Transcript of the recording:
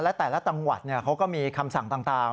และแต่ละจังหวัดเขาก็มีคำสั่งต่าง